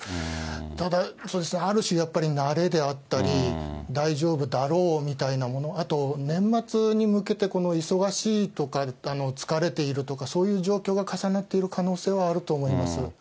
ただ、そうですね、ある種、慣れであったり、大丈夫だろうみたいなもの、あと年末に向けて、忙しいとか、疲れているとか、そういう状況が重なっている可能性はあると思います。